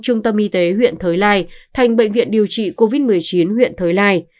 trung tâm y tế huyện thới lai thành bệnh viện điều trị covid một mươi chín huyện thới lai